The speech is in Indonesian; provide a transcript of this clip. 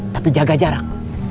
tapi jaga jarak